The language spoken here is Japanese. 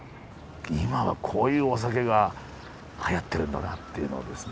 今はこういうお酒がはやってるんだなっていうのをですね